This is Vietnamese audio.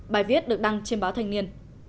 bài viết được đăng trên báo thành niên